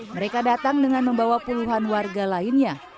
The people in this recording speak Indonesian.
mereka datang dengan membawa puluhan warga lainnya